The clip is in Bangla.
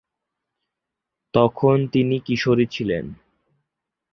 তখন তিনি কিশোরী ছিলেন।